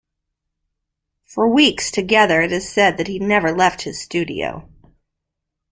For weeks together it is said that he never left his studio.